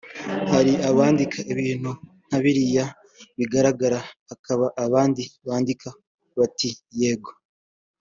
Hari abandikaga ibintu nka biriya bigaragara hakaba abandi bandikaga bati ‘Yego